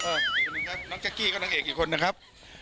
น้องแจ็กกี้ก็นางเอกอย่างกี่คนนะครับ